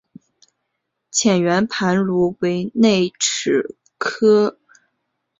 浅圆盘螺为内齿螺科圆盘螺属的动物。